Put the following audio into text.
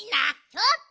ちょっと！